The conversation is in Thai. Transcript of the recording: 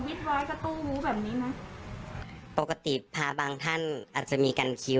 วิดวายกระตู้วู้แบบนี้นะปกติพระบางท่านอาจจะมีกันคิว